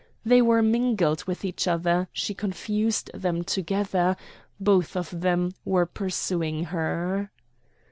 They were mingled with each other; she confused them together; both of them were pursuing her.